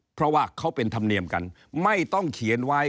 เพราะว่าเขาเป็นธรรมเนียมกันไม่ต้องเขียนไว้